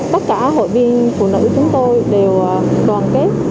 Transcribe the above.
tất cả hội viên phụ nữ chúng tôi đều đoàn kết